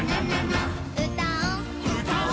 「うたお」うたお。